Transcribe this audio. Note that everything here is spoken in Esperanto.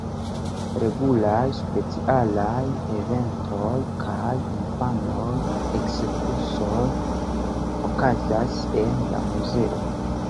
Regulaj specialaj eventoj kaj infanaj ekskursoj okazas en la muzeo.